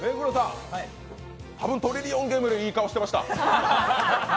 多分「トリリオンゲーム」でいい顔してました。